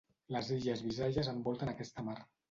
Les illes Visayas envolten aquesta mar.